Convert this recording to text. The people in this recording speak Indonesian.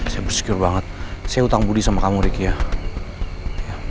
saya bersyur banget saya utang budi sama kamu riki ya